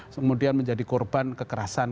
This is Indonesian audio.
kemudian menjadi korban kekerasan